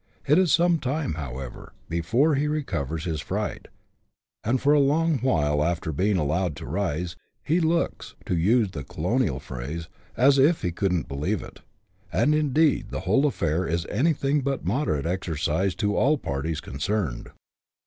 It is some time, however, before he recovers his fright ; and for a long while after being allowed to rise, he looks, to use the colonial phrase, " as if he couldn't believe it :" and, indeed, the whole affair is anything but moderate exercise to all parties concerned.